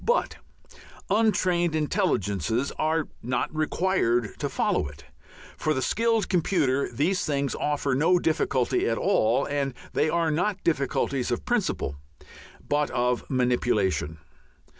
But untrained intelligences are not required to follow it. For the skilled computer these things offer no difficulty at all. And they are not difficulties of principle but of manipulation.